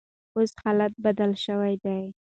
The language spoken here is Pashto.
اوس حالات بدل شوي دي.